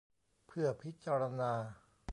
เพื่อพิจารณา